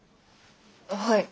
はい。